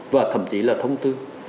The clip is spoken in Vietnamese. và thậm chí là thông tư